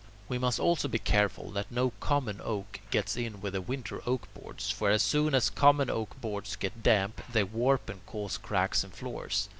We must also be careful that no common oak gets in with the winter oak boards, for as soon as common oak boards get damp, they warp and cause cracks in floors.